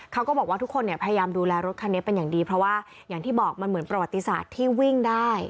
เขาก็บอกว่าทุกคนเนี่ยพยายามดูแลรถคันนี้เป็นอย่างดีเพราะว่าอย่างที่บอกมันเหมือนประวัติศาสตร์ที่วิ่งได้